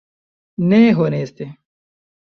Ne honeste!